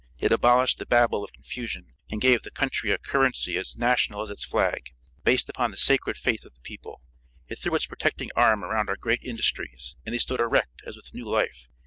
It abolished the babel of confusion, and gave the country a currency as national as its flag, based upon the sacred faith of the people. It threw its protecting arm around our great industries, and they stood erect as with new life.